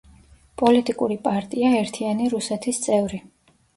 პოლიტიკური პარტია „ერთიანი რუსეთის“ წევრი.